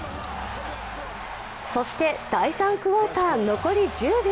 そして第３クオーター、残り１０秒。